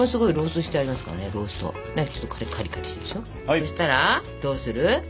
そしたらどうする？